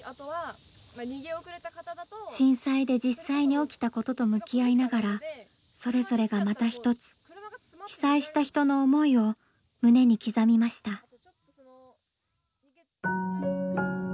震災で実際に起きたことと向き合いながらそれぞれがまた一つ被災した人の思いを胸に刻みました。